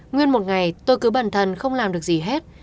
nguyên một ngày tôi cứ bẩn thần không làm được gì hết